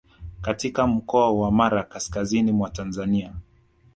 katika mkoa wa Mara kaskazini mwa Tanzania